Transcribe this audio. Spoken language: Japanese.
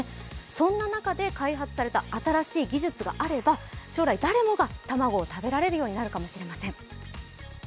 そんな中で開発された新しい技術があれば、将来、誰もが卵を食べられるようになるかもしれません。